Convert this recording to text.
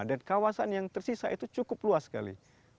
dan kawasan yang tersisa itu cukup luas sekali